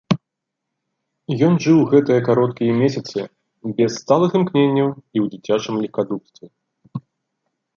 Ён жыў гэтыя кароткія месяцы без сталых імкненняў і ў дзіцячым легкадумстве.